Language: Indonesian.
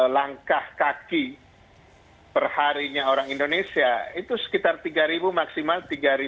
langkah kaki perharinya orang indonesia itu sekitar tiga ribu maksimal tiga ribu lima ratus